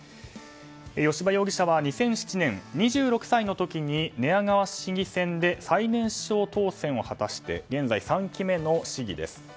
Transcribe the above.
吉羽容疑者は２００７年、２６歳の時に寝屋川市議選で最年少当選を果たして現在３期目の市議です。